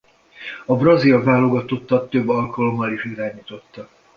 A brazil válogatottat több alkalommal is irányította.